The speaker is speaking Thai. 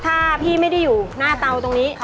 ถ้าพี่ไม่ได้อยู่หน้าเตาตรงนี้